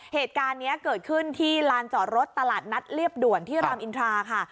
เหตุการณ์นี้เกิดขึ้นที่ลานจอดรถตลาดนัดเรียบด่วนที่รามอินทราค่ะ